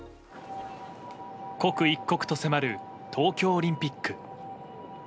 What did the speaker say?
刻一刻と迫る東京オリンピック。